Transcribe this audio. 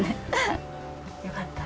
よかった。